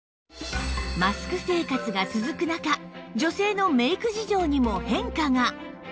マスク生活が続く中女性のメイク事情にも変化が